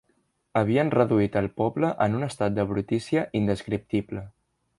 Havien reduït el poble en un estat de brutícia indescriptible.